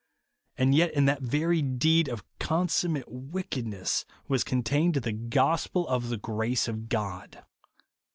And yet in that very deed of consummate wickedness was contained the gospel of the grace of God